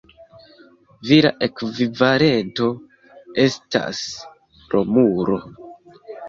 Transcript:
Vira ekvivalento estas Romulo.